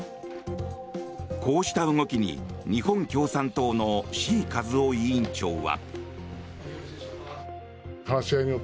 こうした動きに日本共産党の志位和夫委員長は。